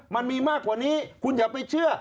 มันมีมากกว่านี้คุณอย่าไปเชื่อ